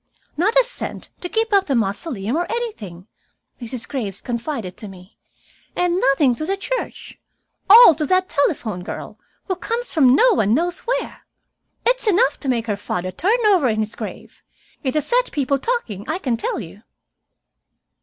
"Not a cent to keep up the mausoleum or anything," Mrs. Graves confided to me. "And nothing to the church. All to that telephone girl, who comes from no one knows where! It's enough to make her father turn over in his grave. It has set people talking, I can tell you."